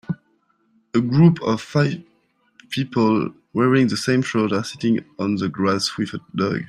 A group a five people wearing the same shirt are sitting on the grass with a dog.